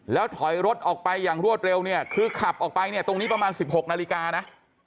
แล้วถอยรถออกไปอย่างรวดเร็วเนี่ยคือขับออกไปเนี่ยตรงนี้ประมาณ๑๖นาฬิกานะ